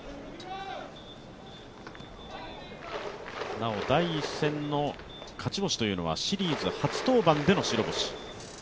なお、第１戦の勝ち星はシリーズ初登板での白星。